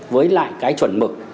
với lại cái chuẩn mực